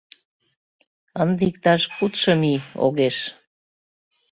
Ынде иктаж куд-шым ий — огеш.